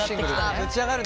あぶち上がるね！